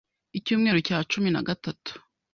Icyumweru cya cumi na gatatu